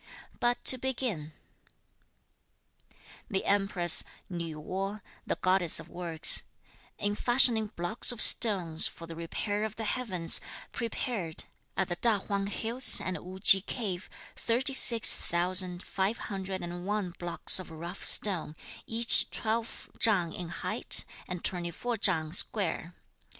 But to begin. The Empress Nü Wo, (the goddess of works,) in fashioning blocks of stones, for the repair of the heavens, prepared, at the Ta Huang Hills and Wu Ch'i cave, 36,501 blocks of rough stone, each twelve chang in height, and twenty four chang square.